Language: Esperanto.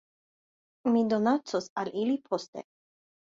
Mi donacos al ili poste